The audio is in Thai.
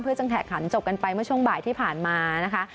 จะแข่งขันจบกันไปเมื่อช่วงบ่ายที่ผ่านมานะคะ